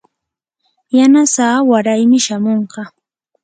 yanasaa waraymi shamunqa.